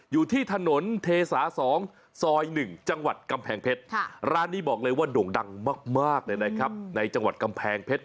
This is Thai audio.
อยู่ที่ถนนเทสา๒ซอย๑จังหวัดกำแพงเพชรร้านนี้บอกเลยว่าโด่งดังมากเลยนะครับในจังหวัดกำแพงเพชร